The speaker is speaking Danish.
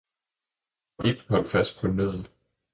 Og Ib holdt fast på nødden.